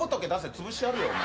つぶしてやるよお前。